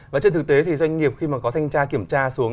và trên thực tế thì doanh nghiệp khi mà có thanh tra kiểm tra xuống